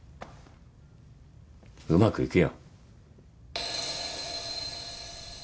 うまくいくよ。